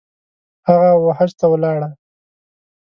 هغه ، وحج ته ولاړی